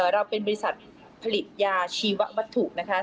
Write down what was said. เราเป็นบริษัทผลิตยาชีวัตถุนะคะ